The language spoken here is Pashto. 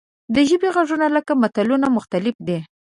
د ژبې غږونه لکه ملتونه مختلف دي.